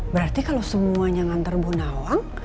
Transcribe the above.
berarti kalau semuanya ngantar bu nawang